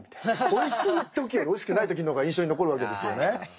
おいしい時よりおいしくない時の方が印象に残るわけですよね。